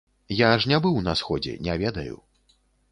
Я ж не быў на сходзе, не ведаю.